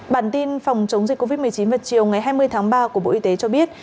bản tin phòng chống dịch covid một mươi chín vào chiều ngày hai mươi tháng ba của bộ y tế cho biết